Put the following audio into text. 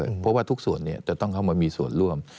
เพราะว่าทุกส่วนจะต้องเข้ามามีส่วนร่วม